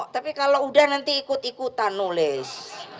tapi kalau udah nanti ikut ikutan nulis